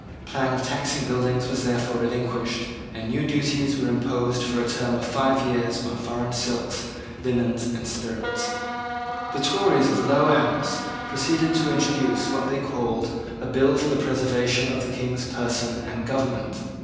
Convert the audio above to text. The plan of taxing buildings was therefore relinquished; and new duties were imposed for a term of five years on foreign silks, linens, and spirits. The Tories of the Lower House proceeded to introduce what they called a bill for the preservation of the King's person and government.